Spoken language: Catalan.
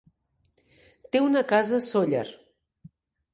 Té una casa a Sóller.